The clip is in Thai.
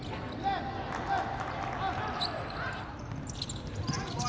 สวัสดีครับทุกคน